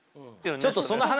ちょっとその話をね